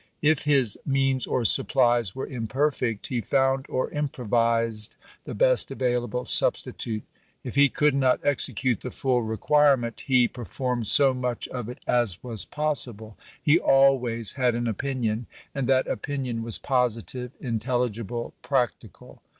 If his means or supplies were imperfect, he found or improvised the best available substitute; if he could not execute the full requirement, he per m 112 ABRAHAM LINCOLN Chap. VII. formed SO much of it as was possible. He always had ail opinion, and that opinion was positive, in telligible, practical.